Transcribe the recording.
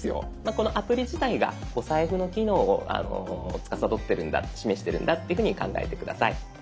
このアプリ自体がお財布の機能をつかさどってるんだ示してるんだっていうふうに考えて下さい。